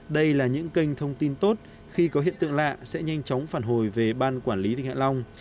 đây là những kênh thông tin tốt khi có hiện tượng lạ sẽ nhanh chóng phản hồi về ban quản lý vịnh hạ long